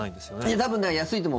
多分安いと思う。